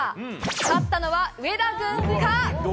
勝ったのは上田軍か？